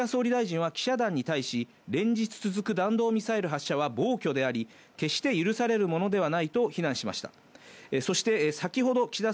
一方、岸田総理大臣は記者団に対し、連日続く弾道ミサイル発射は暴挙であり、決して許されるものではないと非難しました。